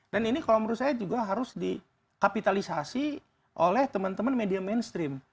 dan ini kalau menurut saya juga harus dikapitalisasi oleh teman teman media mainstream